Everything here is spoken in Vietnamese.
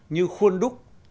như khuôn đúc